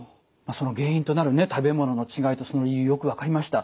その原因となる食べ物の違いとその理由よく分かりました。